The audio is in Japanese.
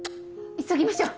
急ぎましょう！